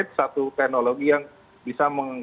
adalah hal iklim